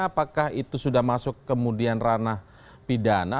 apakah itu sudah masuk kemudian ranah pidana